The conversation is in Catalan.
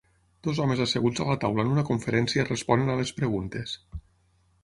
Dos homes asseguts a la taula en una conferència responen a les preguntes.